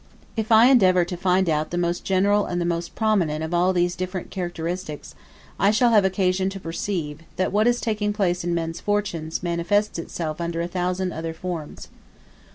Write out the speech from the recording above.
If I endeavor to find out the most general and the most prominent of all these different characteristics, I shall have occasion to perceive, that what is taking place in men's fortunes manifests itself under a thousand other forms.